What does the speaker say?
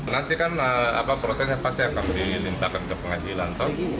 nanti kan prosesnya pasti akan dilimpahkan ke pengadilan